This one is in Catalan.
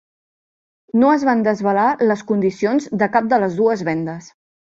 No es van desvelar les condicions de cap de les dues vendes.